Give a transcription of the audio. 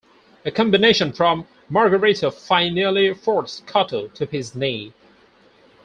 A combination from Margarito finally forced Cotto to his knee.